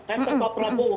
tentang pak prasowo